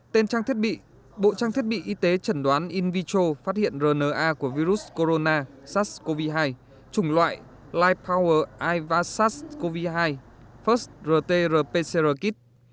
tên trang thiết bị bộ trang thiết bị y tế chuẩn đoán in vitro phát hiện rna của virus corona sars cov hai trùng loại lifepower ivasars cov hai first rt rpcr kit